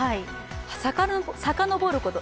さかのぼること